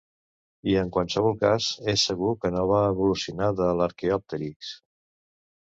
I en qualsevol cas, és segur que no va evolucionar de l'arqueòpterix.